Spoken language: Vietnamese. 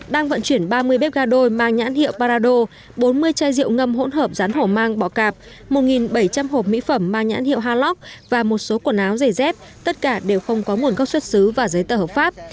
đang vận chuyển ba mươi bếp ga đôi mang nhãn hiệu parado bốn mươi chai rượu ngâm hỗn hợp rán hổ mang bọ cạp một bảy trăm linh hộp mỹ phẩm mang nhãn hiệu halog và một số quần áo giày dép tất cả đều không có nguồn gốc xuất xứ và giấy tờ hợp pháp